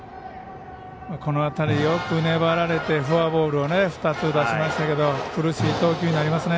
この辺りよく粘られてフォアボールを２つ出しましたけど苦しい投球になりますね。